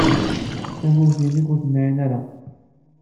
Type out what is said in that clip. Tamawt-nnek ur temɛin ara.